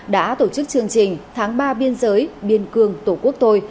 đã tổ chức chương trình tháng ba biên giới biên cương tổ quốc tôi